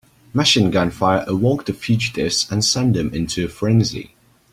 Machine gun fire awoke the fugitives and sent them into a frenzy.